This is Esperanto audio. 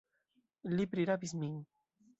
Li prirabis min!